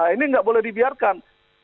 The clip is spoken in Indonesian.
ini tidak boleh dibiarkan